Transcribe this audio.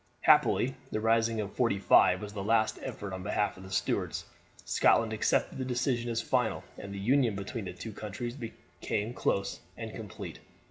Happily the rising of '45 was the last effort on behalf of the Stuarts. Scotland accepted the decision as final, and the union between the two countries became close and complete.